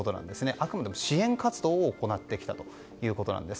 あくまでも支援活動を行ってきたということなんです。